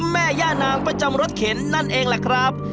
แม่ย่านางประจำรถเข็นนั่นเองแหละครับ